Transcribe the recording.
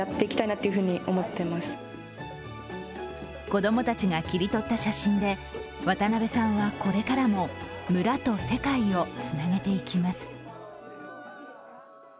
子供たちが切り取った写真で、渡邊さんはこれからも村と世界をつなげていきます。